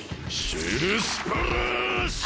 シェルスプラッシュ！